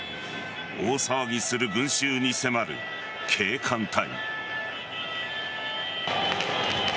大騒ぎする群衆に迫る警官隊。